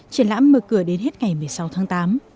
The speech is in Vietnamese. triển lãm mở cửa đến hết ngày một mươi sáu tháng tám